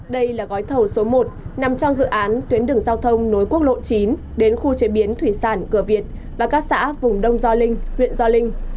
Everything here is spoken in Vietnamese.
đây là gói thầu số một nằm trong dự án tuyến đường giao thông nối quốc lộ chín đến khu chế biến thủy sản cửa việt và các xã vùng đông gio linh huyện gio linh